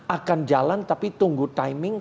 akan jalan tapi tunggu timing